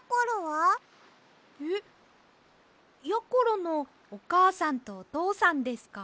えっやころのおかあさんとおとうさんですか？